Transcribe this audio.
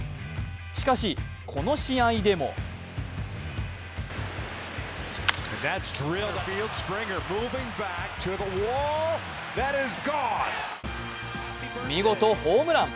しかし、この試合でも見事ホームラン。